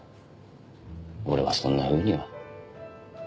俺はそんなふうには。